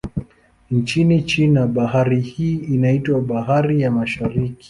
Nchini China, bahari hii inaitwa Bahari ya Mashariki.